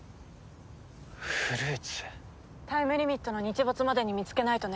タイムリミットの日没までに見つけないとね。